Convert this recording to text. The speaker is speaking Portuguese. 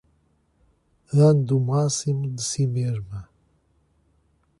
Dando o máximo de si mesma